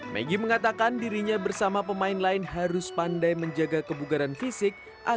maggie mengatakan dirinya bersama pemain lain harus pandai menjaga kebugaran fisik